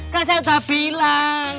kan saya udah bilang